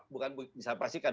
bukan bisa dipastikan